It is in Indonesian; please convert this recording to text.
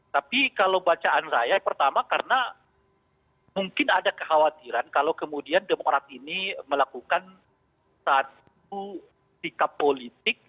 tapi kalau bacaan saya pertama karena mungkin ada kekhawatiran kalau kemudian demokrat ini melakukan satu sikap politik